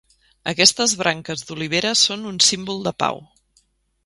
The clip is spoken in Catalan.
Aquestes branques d'olivera són un símbol de pau.